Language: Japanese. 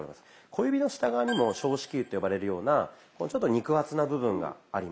小指の下側にも小指球と呼ばれるようなちょっと肉厚な部分があります。